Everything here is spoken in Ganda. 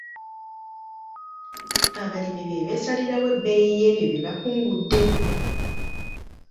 Abalimi be beesalirawo ebbeeyi y'ebyo bye bakungudde.